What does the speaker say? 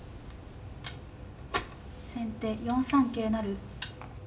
先手４三桂成。